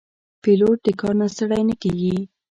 پیلوټ د کار نه ستړی نه کېږي.